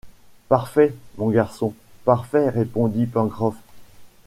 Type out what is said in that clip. Parfait, mon garçon, parfait! répondit Pencroff.